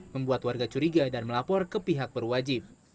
membuat warga curiga dan melapor ke pihak berwajib